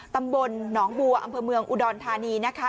ตำบลหนองบัวอำเภอเมืองอุดรธานีนะคะ